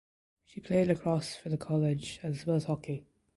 She played lacrosse for the college as well as hockey.